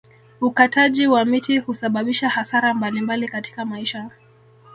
Ukataji wa miti husababisha hasara mbalimbali katika maisha